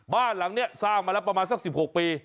บ้านหลังนี้สร้างมาแล้วประมาณสัก๑๖ปี